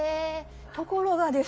ところがです。